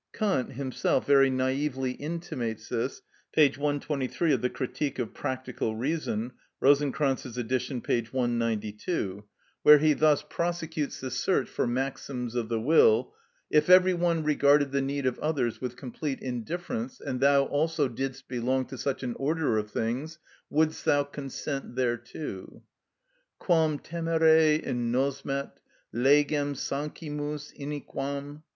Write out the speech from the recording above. Kant himself very naively intimates this (p. 123 of the "Critique of Practical Reason;" Rosenkranz's edition, p. 192), where he thus prosecutes the search for maxims for the will: "If every one regarded the need of others with complete indifference, and thou also didst belong to such an order of things, wouldst thou consent thereto?" _Quam temere in nosmet legem sancimus iniquam!